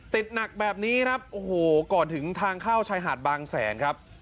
หนักแบบนี้ครับโอ้โหก่อนถึงทางเข้าชายหาดบางแสนครับ